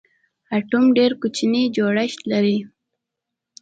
اټوم ډېر کوچنی جوړښت لري.